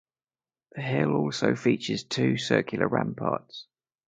The hill also features two circular ramparts.